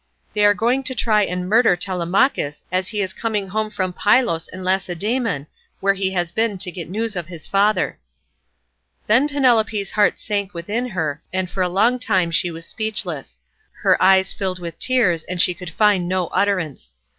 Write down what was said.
They are going to try and murder Telemachus as he is coming home from Pylos and Lacedaemon, where he has been to get news of his father." Then Penelope's heart sank within her, and for a long time she was speechless; her eyes filled with tears, and she could find no utterance.